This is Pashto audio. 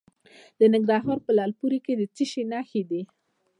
د ننګرهار په لعل پورې کې د څه شي نښې دي؟